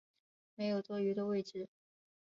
没有多余的位子